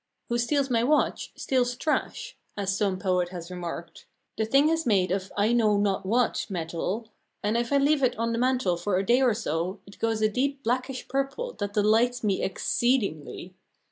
"Who steals my watch steals trash," as some poet has remarked; the thing is made of I know not what metal, and if I leave it on the mantel for a day or so it goes a deep blackish purple that delights me exceedingly.